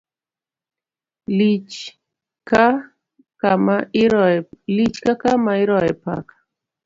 Lich ka kama iroye paka